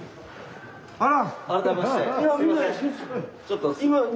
あら！